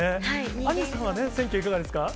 アンジュさんは選挙はいかがですか？